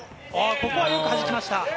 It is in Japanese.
ここはよく弾きました。